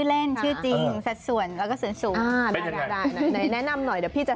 ก็อาจจะสอนยากนิดนึงแต่ไม่เป็นไรฮะ